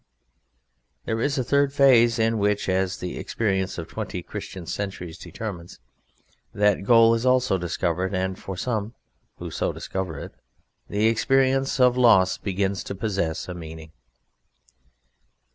There is a third phase, in which (as the experience of twenty Christian centuries determines) that goal also is discovered, and for some who so discover it the experience of loss begins to possess a meaning.